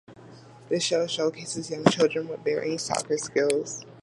This show showcases young children with varying soccer skills.